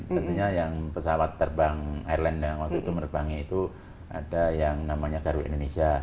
tentunya yang pesawat terbang airline yang waktu itu menerbangnya itu ada yang namanya garuda indonesia